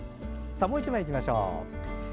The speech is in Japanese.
もう１枚いきましょう。